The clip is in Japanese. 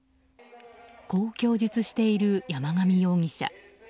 こう供述している山上容疑者。